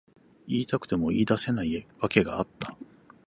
言いたくても言い出せない訳があった。